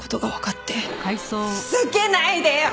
ふざけないでよ！